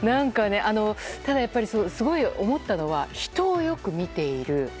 ただ、やっぱりすごい思ったのは人をよく見ている。